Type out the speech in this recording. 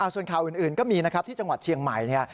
ส่วนข่าวอื่นก็มีนะครับที่จังหวัดเชียงใหม่เนี่ย